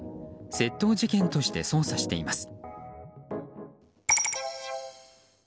窃盗事件として捜査しています。